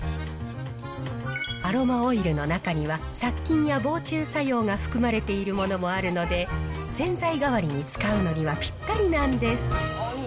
アロマオイルの中には、殺菌や防虫作用が含まれているものもあるので、洗剤代わりに使うのにはぴったりなんです。